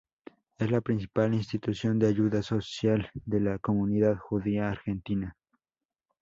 Es la principal institución de ayuda social de la comunidad judía argentina.